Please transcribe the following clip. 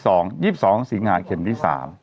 ๒๒สิงหาเข็มที่๓